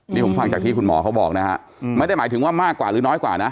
นี่ผมฟังจากที่คุณหมอเขาบอกนะฮะไม่ได้หมายถึงว่ามากกว่าหรือน้อยกว่านะ